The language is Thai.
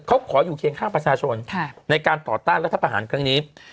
เขาขออยู่เคียงข้างประชาชนในการต่อต้านรัฐประหารครั้งนี้